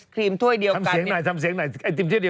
คือ